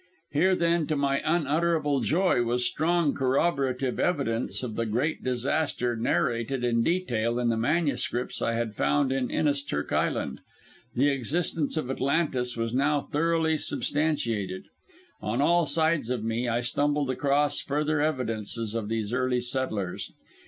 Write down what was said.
"Here, then, to my unutterable joy, was strong corroborative evidence of the great disaster narrated in detail in the manuscripts I had found in Inisturk Island. The existence of Atlantis was now thoroughly substantiated. On all sides of me I stumbled across further evidences of these early settlers.